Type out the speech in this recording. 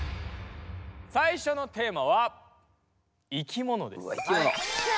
最初のテーマは「いきもの」です。